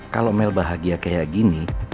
kalau mel bahagia kayak gini